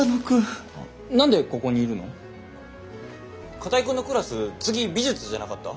片居くんのクラス次美術じゃなかった？